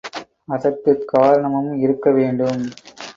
அதற்குக் காரணமும் இருக்க வேண்டும்.